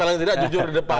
paling tidak jujur di depan